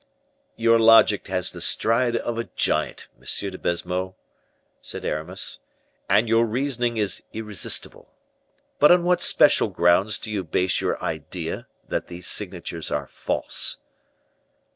"Your logic has the stride of a giant, M. de Baisemeaux," said Aramis; "and your reasoning is irresistible. But on what special grounds do you base your idea that these signatures are false?"